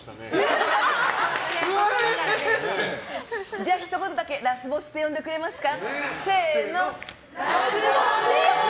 じゃあひと言だけラスボスって呼んでくれますか。